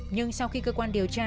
nhưng sau khi cơ quan điều tra